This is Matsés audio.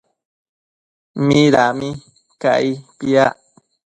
Midami cai piac?